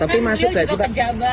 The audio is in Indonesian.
tapi masuk gak sih pak